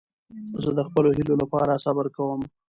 زه د خپلو هیلو له پاره صبر کوم.